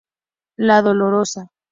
La Dolorosa.